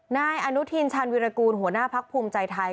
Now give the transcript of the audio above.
นายอนุทินชาญวิรากูลหัวหน้าพักภูมิใจไทย